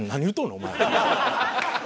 お前。